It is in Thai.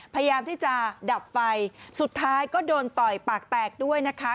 พยายามที่จะดับไฟสุดท้ายก็โดนต่อยปากแตกด้วยนะคะ